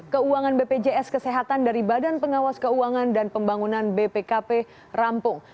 keuangan bpjs kesehatan dari badan pengawas keuangan dan pembangunan bpkp rampung